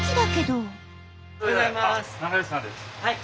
はい。